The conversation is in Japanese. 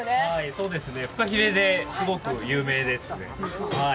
そうですね、フカヒレですごく有名ですので。